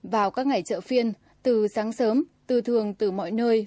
vào các ngày chợ phiên từ sáng sớm tư thường từ mọi nơi